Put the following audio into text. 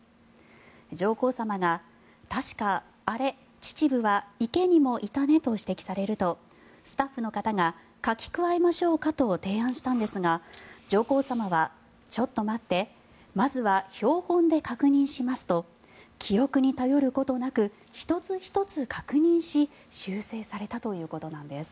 上皇さまが確かあれ、チチブは池にもいたねと指摘されるとスタッフの方が書き加えましょうかと提案したんですが上皇さまは、ちょっと待ってまずは標本で確認しますと記憶に頼ることなく１つ１つ確認し修正されたということなんです。